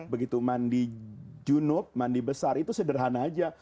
begitu mandi junub mandi besar itu sederhana aja